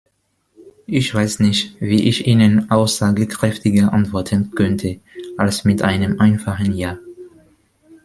Ich weiß nicht, wie ich Ihnen aussagekräftiger antworten könnte als mit einem einfachen Ja.